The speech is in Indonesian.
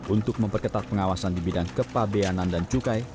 untuk memperketat pengawasan di bidang kepa beanan dan cukai